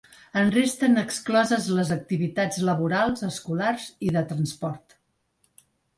En resten excloses les activitats laborals, escolars i de transport.